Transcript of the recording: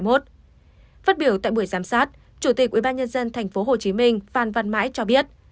phát biểu tại buổi giám sát chủ tịch ubnd tp hcm phan văn mãi cho biết